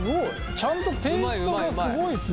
ちゃんとペーストがすごいですねこれ。